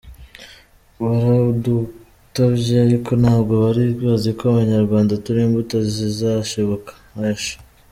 Baradutabye ariko ntabwo bari baziko Abanyarwanda turi imbuto zizashibuka” H.